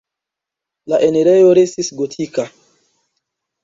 La enirejo restis gotika.